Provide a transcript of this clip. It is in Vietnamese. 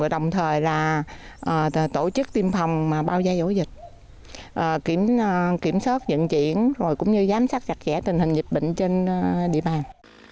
đồng thời tổ chức tiêm phòng bao giai ổ dịch kiểm soát dựng triển giám sát chặt chẽ tình hình dịch bệnh trên địa bàn